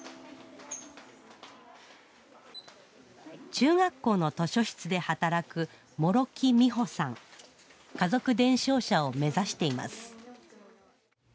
中学校の図書室で働く家族伝承者を目指しています